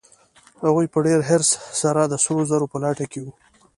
هغوی په ډېر حرص سره د سرو زرو په لټه کې وو.